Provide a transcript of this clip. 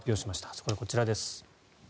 そこでこちらです。